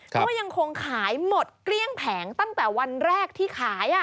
ก็ยังคงขายหมดเกลี้ยงแผงตั้งแต่วันแรกที่ขาย